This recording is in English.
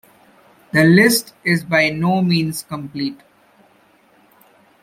The list is by no means complete.